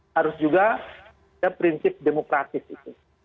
harus juga ada prinsip demokratis itu